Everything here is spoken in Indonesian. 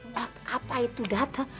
what apa itu data